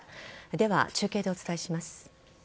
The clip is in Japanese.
では、中継でお伝えします。